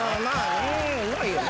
うまいよね。